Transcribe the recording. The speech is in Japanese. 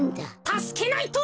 たすけないと！